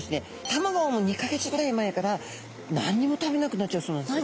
卵を産む２か月ぐらい前から何にも食べなくなっちゃうそうなんです。